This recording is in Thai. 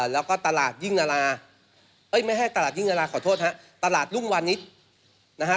แล้วก็ตลาดยิ่งนาราเอ้ยไม่ให้ตลาดยิ่งนาราขอโทษฮะตลาดรุ่งวานิสนะฮะ